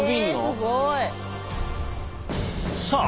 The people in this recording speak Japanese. えすごい！さあ